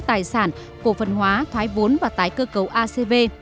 tài sản cổ phần hóa thoái vốn và tái cơ cấu acv